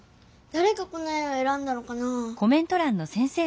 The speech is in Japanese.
だれがこの絵をえらんだのかな？